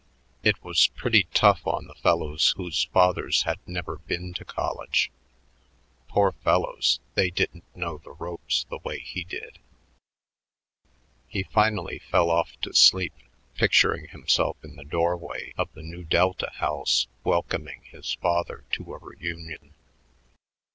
It was pretty tough on the fellows whose fathers had never been to college. Poor fellows, they didn't know the ropes the way he did.... He finally fell off to sleep, picturing himself in the doorway of the Nu Delta house welcoming his father to a reunion.